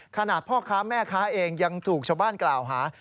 พ่อค้าแม่ค้าเองยังถูกชาวบ้านกล่าวหา